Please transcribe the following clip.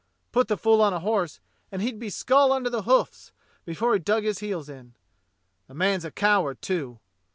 Put the fool on a horse and he'd be skull under the hoofs before he'd dug his heels in. The man's a coward, too.